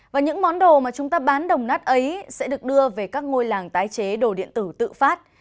và những món đồ mà chúng ta bán đồng nát ấy sẽ được đưa về các ngôi làng tái chế đồ điện tử tự phát